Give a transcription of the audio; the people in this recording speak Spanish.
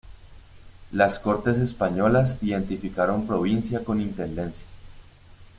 Las cortes españolas identificaron provincia con intendencia.